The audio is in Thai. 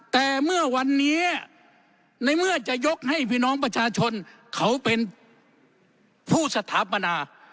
แต่เมื่อวันนี้ในเมื่อจะยกให้พี่น้องประชาชนเขาเป็นผู้สถาปนา